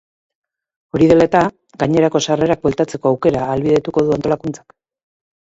Hori dela eta, gainerako sarrerak bueltatzeko aukera ahalbidetuko du antolakuntzak.